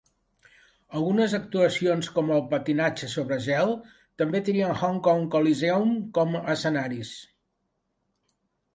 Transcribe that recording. Algunes actuacions com el patinatge sobre gel també trien Hong Kong Coliseum com a escenaris.